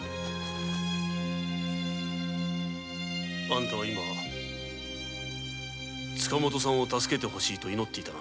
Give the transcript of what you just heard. あんたは塚本さんを助けて欲しいと祈っていた。